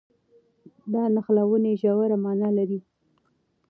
دا نښلونې ژوره مانا لري.